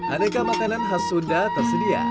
aneka makanan khas sunda tersedia